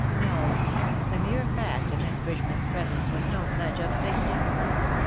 No, the mere fact of Miss Bridgeman's presence was no pledge of safety.